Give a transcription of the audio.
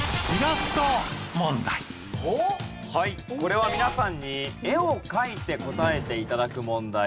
これは皆さんに絵を描いて答えて頂く問題です。